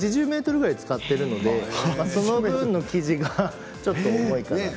８０ｍぐらい使っているのでその分の生地がちょっと重いかなと。